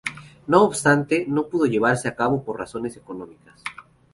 No obstante, no pudo llevarse a cabo por razones económicas.